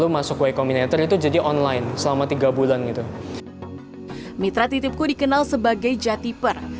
mitra titipku dikenal sebagai jatiper